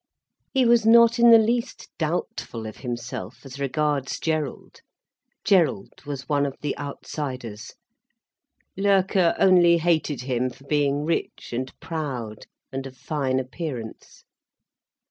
He was not in the least doubtful of himself, as regards Gerald. Gerald was one of the outsiders. Loerke only hated him for being rich and proud and of fine appearance.